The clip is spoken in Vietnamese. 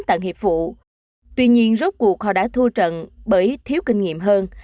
tận hiệp vụ tuy nhiên rốt cuộc họ đã thua trận bởi thiếu kinh nghiệm hơn